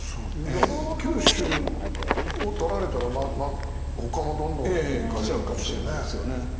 九州をとられたらほかもどんどん。来ちゃうかもしれないですよね。